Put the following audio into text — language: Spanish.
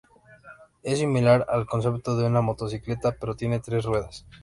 Es similar al concepto de una motocicleta, pero tiene tres ruedas.